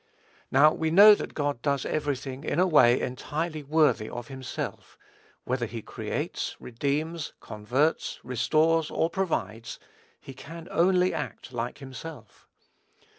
Now, we know that God does every thing in a way entirely worthy of himself. Whether he creates, redeems, converts, restores, or provides, he can only act like himself.